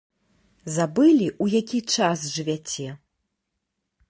Забылі, у які час жывяце?